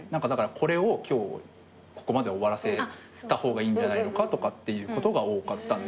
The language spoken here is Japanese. これを今日ここまで終わらせた方がいいんじゃないのか？とかっていうことが多かったんで。